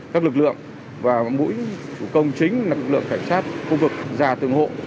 các lực lượng và mũi chủ công chính là lực lượng cảnh sát khu vực ra từng hộ